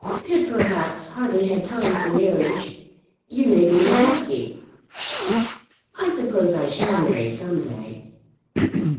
Pitt perhaps hardly had time for marriage. You may be more lucky." "I suppose I shall marry some day."